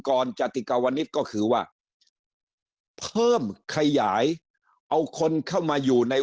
จติกาวนิตก็คือว่าเพิ่มขยายเอาคนเข้ามาอยู่ใน